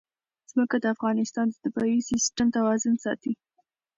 ځمکه د افغانستان د طبعي سیسټم توازن ساتي.